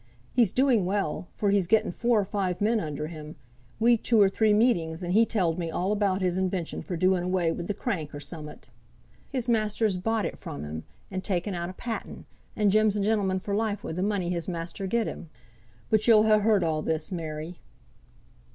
He's doing well, for he's getten four or five men under him; we'd two or three meetings, and he telled me all about his invention for doing away wi' the crank, or somewhat. His master's bought it from him, and ta'en out a patent, and Jem's a gentleman for life wi' the money his master gied him. But you'll ha' heard all this, Mary?"